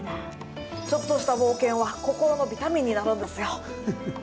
ちょっとした冒険は心のビタミンになるんですよ！